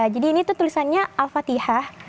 jadi ini tuh tulisannya al fatihah